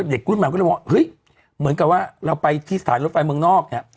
เด็กรุ่นใหม่ก็เลยมองว่าเฮ้ยเหมือนกับว่าเราไปที่สถานรถไฟเมืองนอกเนี่ย